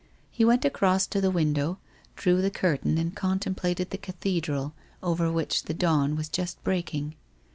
He went across to the window, drew the curtain and contemplated the cathedral, over which the dawn was just breaking.